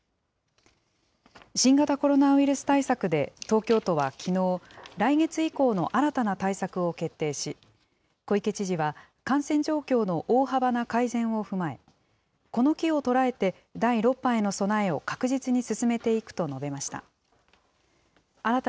新型コロナウイルス対策で、東京都はきのう、来月以降の新たな対策を決定し、小池知事は感染状況の大幅な改善を踏まえ、この機を捉えて、第６波への備えを確実に進めていくと述べました。